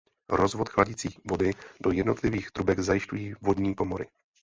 Rozvod chladicí vody do jednotlivých trubek zajišťují vodní komory.